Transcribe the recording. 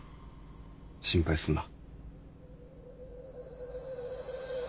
心配すんな。